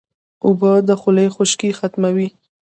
اوبه د خولې خشکي ختموي